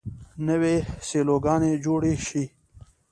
نوې سیلوګانې جوړې شي.